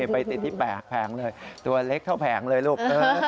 ไปติดที่๘แผงเลยตัวเล็กเท่าแผงเลยลูก